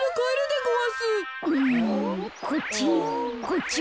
こっち？